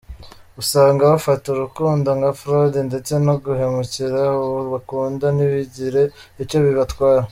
Usanga bafata urukundo nka fraude ndetse no guhemukira abo bakunda ntibigire icyo bibatwara.